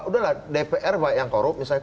udah lah dpr yang korup misalnya